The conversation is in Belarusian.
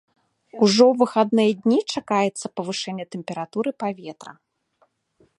Ужо ў выхадныя дні чакаецца павышэнне тэмпературы паветра.